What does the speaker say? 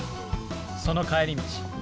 その帰り道。